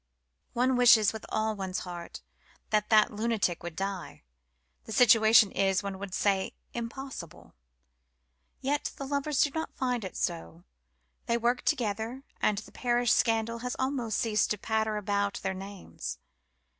One wishes with all one's heart that that lunatic would die. The situation is, one would say impossible. Yet the lovers do not find it so. They work together, and parish scandal has almost ceased to patter about their names.